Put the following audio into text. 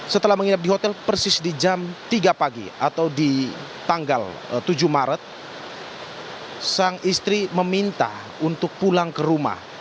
setelah menginap di hotel persis di jam tiga pagi atau di tanggal tujuh maret sang istri meminta untuk pulang ke rumah